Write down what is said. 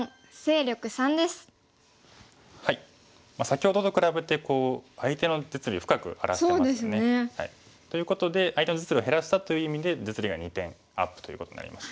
先ほどと比べて相手の実利を深く荒らしてますね。ということで相手の実利を減らしたという意味で実利が２点アップということになりましたね。